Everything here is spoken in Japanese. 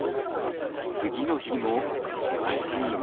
次の日も険しい道。